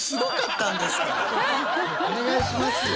お願いしますよ。